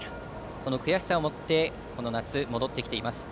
その悔しさを持ってこの夏、戻ってきています。